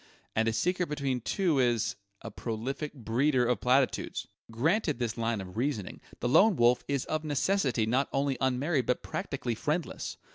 And a secret between two is a prolific breeder of platitudes! Granted this line of reasoning, the Lone Wolf is of necessity not only unmarried but practically friendless.